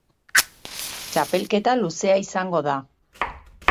Txapelketa luzea izango da.